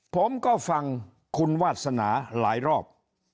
ผมก็ฟังคุณวาสนาหลายรอบ